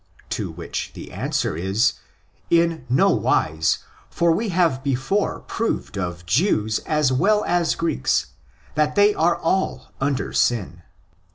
'' To which the answer is, ''In no wise: for we have before proved of Jews as well as Greeks, that they are all under sin."